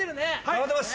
頑張ってます。